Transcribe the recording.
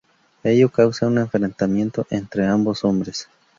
Ello causa un enfrentamiento entre ambos hombres.